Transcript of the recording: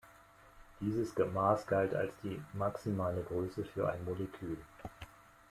Diese Maß galt als die maximale Größe für ein Molekül.